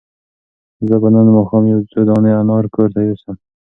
زه به نن ماښام یو څو دانې انار کور ته یوسم.